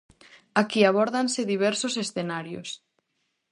Aquí abórdanse diversos escenarios.